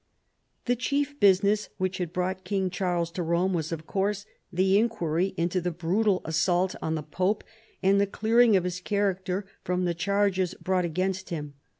The chief business which had brought King Charles to Rome was, of course, the inquiry into the brutal assault on the pope and the clearing of his character from the charges brought against him.